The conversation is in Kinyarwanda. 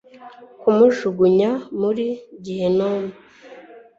kumujugunya muri Gehinomu